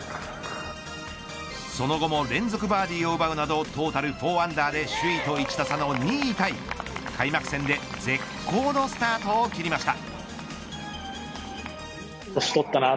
その後も連続バーディーを奪うなどトータル４アンダーで首位と１打差の２位タイ開幕戦で絶好のスタートを切りました。